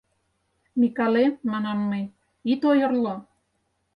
«Микале, — манам мый, — ит ойырло.